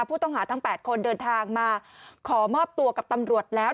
ผู้ต้องหาทั้ง๘คนเดินทางมาขอมอบตัวกับตำรวจแล้ว